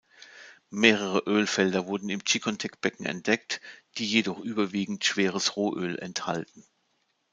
Mehrere Ölfelder wurden im Chicontec-Becken entdeckt, die jedoch überwiegend schweres Rohöl enthalten.